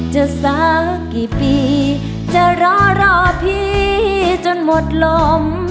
สักกี่ปีจะรอรอพี่จนหมดลม